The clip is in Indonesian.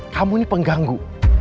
kamu ini pengganggu